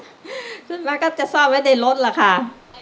ขึ้นมาก็จะซ่อนไว้ในรถล่ะค่ะ